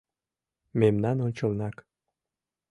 — Мемнан ончылнак!